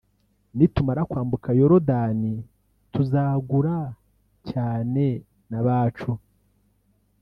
nitumara kwambuka yorodani tuzagura cyane nabacu